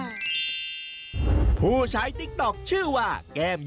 เป็นปิ๊กก็เหล่ารมหมุนอืมปิ๊กก็เหล่ารวมน่ะรวมหุ้นยางหน่อย